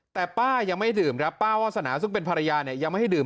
แต่ป้ายังไม่ให้ดื่มนะป้าวาสนาซึ่งเป็นภรรยายังไม่ให้ดื่ม